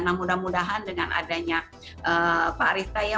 nah mudah mudahan dengan adanya pak arista ya